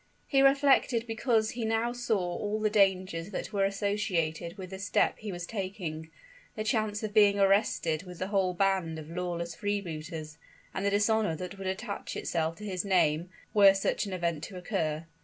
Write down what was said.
He reflected because he now saw all the dangers that were associated with the step he was taking, the chance of being arrested with the whole band of lawless freebooters, and the dishonor that would attach itself to his name, were such an event to occur.